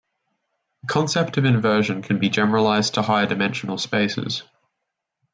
The concept of inversion can be generalized to higher-dimensional spaces.